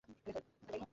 সে কি ঘুমুচ্ছে?